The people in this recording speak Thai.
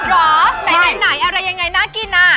เหรอไหนอะไรยังไงน่ากินอ่ะ